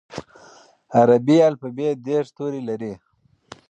عربي الفبې دېرش توري لري.